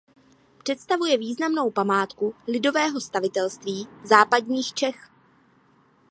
Představuje významnou památku lidového stavitelství západních Čech.